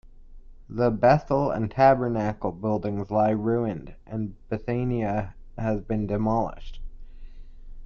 The Bethel and Tabernacl buildings lie ruined and Bethania has been demolished.